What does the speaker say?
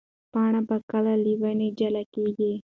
پاڼه به کله له ونې جلا کېږي؟